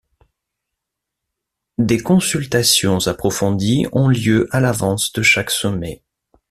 Des consultations approfondies ont lieu à l'avance de chaque sommet.